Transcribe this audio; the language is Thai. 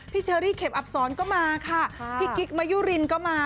เชอรี่เข็มอับสอนก็มาค่ะพี่กิ๊กมะยุรินก็มา